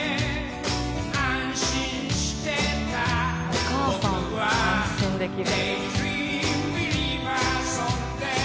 「お母さん安心できる」